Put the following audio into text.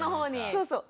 そうそう。